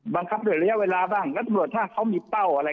บังคับด้วยระยะเวลาบ้างแล้วตำรวจถ้าเขามีเป้าอะไร